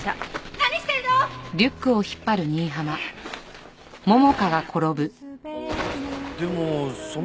何してるの！？